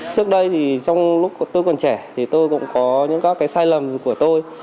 trước đây thì trong lúc tôi còn trẻ thì tôi cũng có những các cái sai lầm của tôi